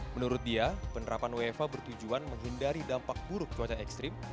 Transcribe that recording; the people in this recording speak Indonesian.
menurut dia penerapan wfa bertujuan menghindari dampak buruk cuaca ekstrim